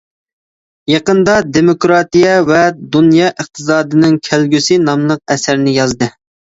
يېقىندا دېموكراتىيە ۋە دۇنيا ئىقتىسادىنىڭ كەلگۈسى ناملىق ئەسەرنى يازدى.